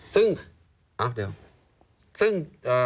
ซึ่ง